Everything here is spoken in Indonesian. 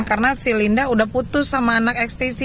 karena si linda sudah putus sama anak eksstisi